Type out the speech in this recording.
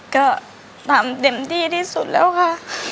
ก็ทำเต็มที่ที่สุดแล้วค่ะ